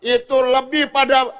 itu lebih pada